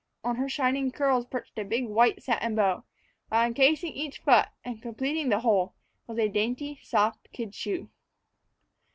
On her shining curls perched a big white satin bow, while incasing each foot, and completing the whole, was a dainty, soft kid shoe.